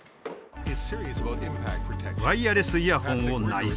ワイヤレスイヤホンを内蔵。